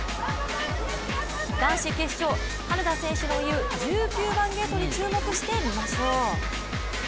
男子決勝、羽根田選手の言う１９番ゲートに注目してみましょう。